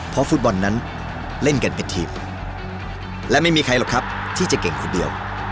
เพราะฟุตบอลนั้นเล่นกันเป็นทีมและไม่มีใครหรอกครับที่จะเก่งคนเดียว